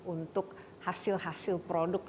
untuk hasil hasil produk